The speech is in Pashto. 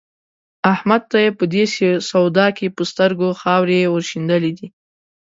احمد ته يې په دې سودا کې په سترګو کې خاورې ور شيندلې دي.